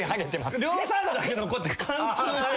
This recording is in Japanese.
両サイドだけ残って貫通して。